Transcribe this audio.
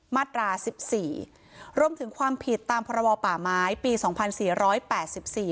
มาตราสิบสี่รวมถึงความผิดตามพรบป่าไม้ปีสองพันสี่ร้อยแปดสิบสี่